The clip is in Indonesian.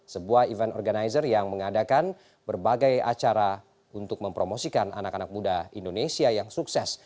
sebuah event organizer yang mengadakan berbagai acara untuk mempromosikan anak anak muda indonesia yang sukses